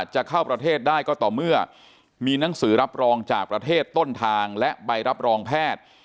จะเข้าประเทศได้ก็ต่อเมื่อมีหนังสือรับรองจากประเทศต้นทางและใบรับรองแพทย์